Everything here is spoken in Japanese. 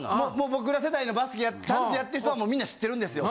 僕ら世代のバスケちゃんとやってる人はみんな知ってるんですよ。